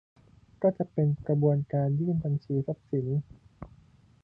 ก็จะเป็นกระบวนการยื่นบัญชีทรัพย์สิน